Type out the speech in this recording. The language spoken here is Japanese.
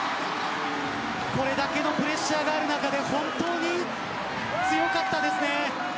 これだけのプレッシャーがある中で本当に強かったですね。